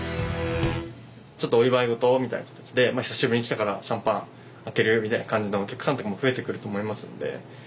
ちょっとお祝いごとみたいな形で久しぶりに来たからシャンパン開ける？みたいな感じのお客さんとかも増えてくると思いますので。